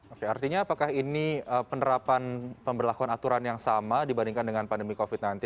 oke artinya apakah ini penerapan pemberlakuan aturan yang sama dibandingkan dengan pandemi covid sembilan belas